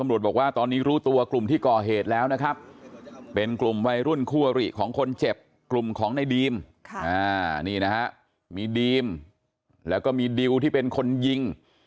เห็นว่าเขาจะมอบตัวพวกนี้